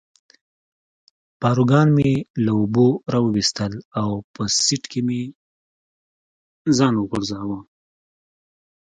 پاروګان مې له اوبو را وویستل او په سیټ کې مې ځان وغورځاوه.